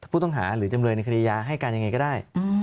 ผู้ต้องหาหรือจำเลยในคดียาให้การยังไงก็ได้